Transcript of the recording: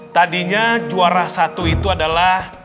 tadinya juara satu itu adalah